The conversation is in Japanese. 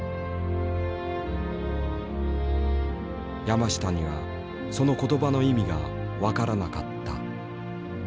山下にはその言葉の意味が分からなかった。